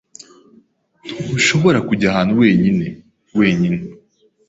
Ntushobora kujya ahantu wenyine wenyine.